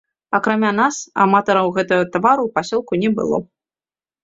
Акрамя нас аматараў гэтага тавару ў пасёлку не было.